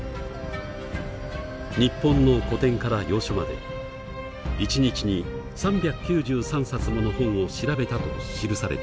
日本の古典から洋書まで１日に３９３冊もの本を調べたと記されている。